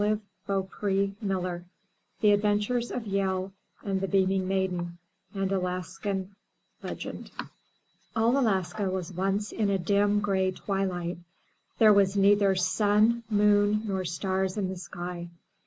219 MY BOOK HOUSE THE ADVENTURES OF YEHL AND THE BEAMING MAIDEN An Alaskan Legend LL Alaska was once in a dim, gray twilight. There was neither sun, moon, nor stars in the sky.